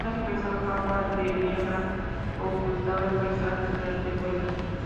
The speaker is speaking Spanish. Una espesa capa de niebla ocultaba el paisaje durante el vuelo.